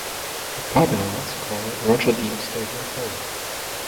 The Cardinals call Roger Dean Stadium home.